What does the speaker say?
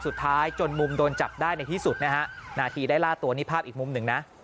จนมุมโดนจับได้ในที่สุดนะฮะนาทีได้ล่าตัวนี่ภาพอีกมุมหนึ่งนะ